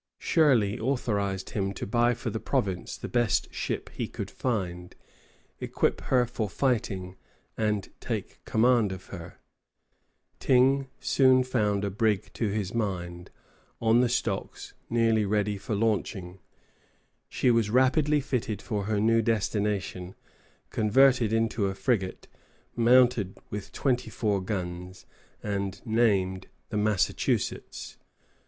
Shirley authorized him to buy for the province the best ship he could find, equip her for fighting, and take command of her. Tyng soon found a brig to his mind, on the stocks nearly ready for launching. She was rapidly fitted for her new destination, converted into a frigate, mounted with 24 guns, and named the "Massachusetts."